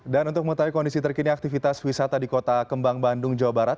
dan untuk mengetahui kondisi terkini aktivitas wisata di kota kembang bandung jawa barat